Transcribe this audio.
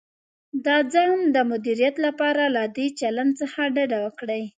د ځان د مدیریت لپاره له دې چلند څخه ډډه وکړئ: